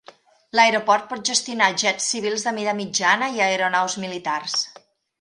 L'aeroport pot gestionar jets civils de mida mitjana i aeronaus militars.